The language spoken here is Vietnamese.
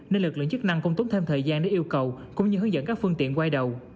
nên lực lượng chức năng cũng tốn thêm thời gian để yêu cầu cũng như hướng dẫn các phương tiện quay đầu